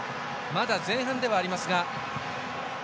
まだ前半ではありますが。